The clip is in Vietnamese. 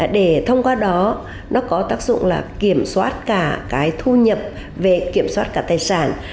do đó nó có tác dụng là kiểm soát cả cái thu nhập về kiểm soát cả tài sản